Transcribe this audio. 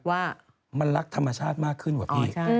ว่ามันรักธรรมชาติมากขึ้นว่ะพี่